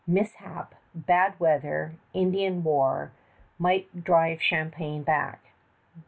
Mishap, bad weather, Indian war might drive Champlain back.